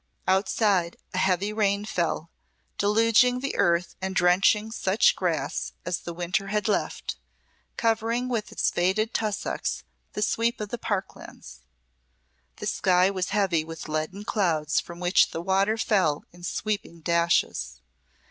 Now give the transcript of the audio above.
Outside a heavy rain fell, deluging the earth and drenching such grass as the winter had left, covering with its faded tussocks the sweep of the park lands. The sky was heavy with leaden clouds from which the water fell in sweeping dashes.